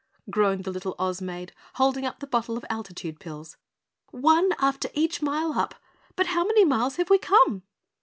groaned the little Oz Maid, holding up the bottle of altitude pills. "'One, after each mile up,' but how many miles have we come?"